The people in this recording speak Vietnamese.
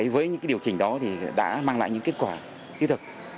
với những điều chỉnh đó thì đã mang lại những kết quả yếu thực